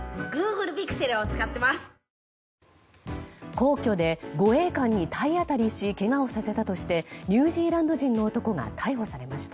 皇居で護衛官に体当たりしけがをさせたとしてニュージーランド人の男が逮捕されました。